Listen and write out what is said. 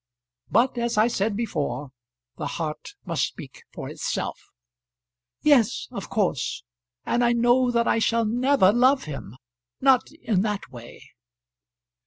But, as I said before, the heart must speak for itself." "Yes; of course. And I know that I shall never love him; not in that way."